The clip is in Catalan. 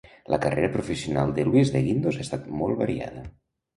La carrera professional de Luis de Guindos ha estat molt variada.